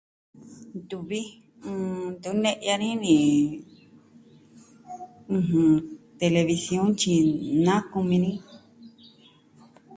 Ntuvi, n... ntu ne'ya ni ni, ɨjɨn, television tyi na kumi ni.